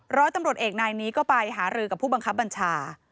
ร้อยตำรวจเอกนายนี้ก็ไปหารือกับผู้บังคับบัญชา